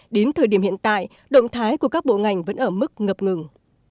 đến thời điểm hiện tại động thái của các bộ ngành vẫn ở mức ngập ngừng